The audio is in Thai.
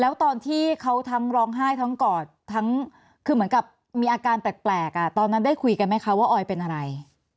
แล้วตอนที่เขาทั้งร้องไห้ทั้งกอดทั้งคือเหมือนกับมีอาการแปลกตอนนั้นได้คุยกันไหมคะว่าออยเป็นอะไร